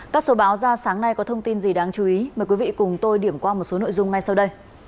các số báo ra sáng nay có thông tin gì đáng chú ý mời quý vị cùng tôi điểm qua một số nội dung ngay sau đây